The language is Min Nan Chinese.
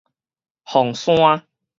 鳳山